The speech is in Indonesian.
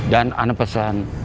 dan ane pesan